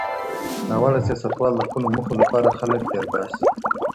ناوړه سياستوال د خپلو موخو لپاره خلګ تېرباسي.